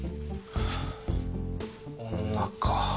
女か。